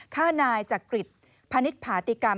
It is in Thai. ฆ่านายจากกฤทธิ์พนิษฐ์ผาติกรรม